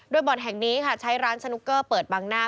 โดยบ่อนแห่งนี้ค่ะใช้ร้านสนุกเกอร์เปิดบังหน้า